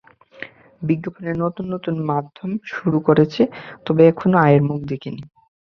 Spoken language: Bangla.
বিজ্ঞাপনের নতুন নতুন মাধ্যম শুরু করেছে, তবে এখনো আয়ের মুখ দেখেনি।